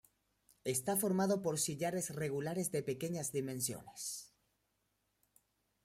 Está formado por sillares regulares de pequeñas dimensiones.